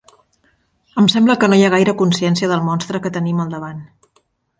Em sembla que no hi ha gaire consciència del monstre que tenim al davant.